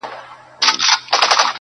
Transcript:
چې زه یې چرته هم ګورم حمزه رایادوي.